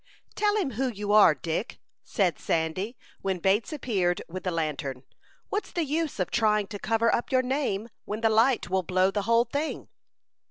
"Tell him who you are, Dick," said Sandy, when Bates appeared with the lantern. "What's the use of trying to cover up your name, when the light will blow the whole thing?"